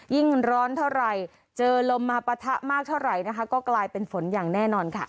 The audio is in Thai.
ยิ่งร้อนเท่าไหร่เจอลมมาปะทะมากเท่าไหร่นะคะก็กลายเป็นฝนอย่างแน่นอนค่ะ